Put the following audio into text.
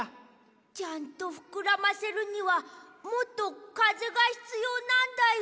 ちゃんとふくらませるにはもっとかぜがひつようなんだよ。